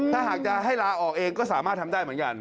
ถ้าหากจะให้ลาออกเองก็สามารถทำได้เหมือนกัน